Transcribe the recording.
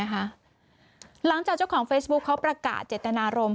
หลังจากเจ้าของเฟซบุ๊คเขาประกาศเจตนารมณ์